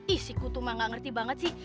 ih si kutuma gak ngerti banget sih